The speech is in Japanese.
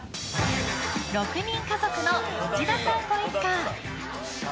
６人家族の内田さんご一家。